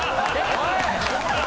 おい！